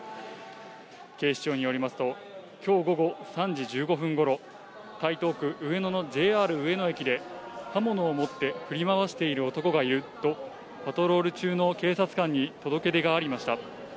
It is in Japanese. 警視庁によりますと、きょう午後３時１５分ごろ、台東区上野のＪＲ上野駅で、刃物を持って振り回している男がいるとパトロール中の警察官に届け出がありました。